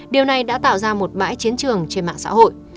điều này đã tạo ra một bãi chiến trường trên mạng xã hội